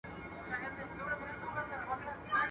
په پوښتنه لندن پيدا کېږي.